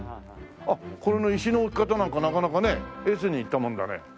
あっこの石の置き方なんかなかなかね悦に入ったもんだね。